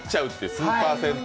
スーパー銭湯？